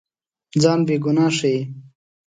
ځان بېګناه ښيي.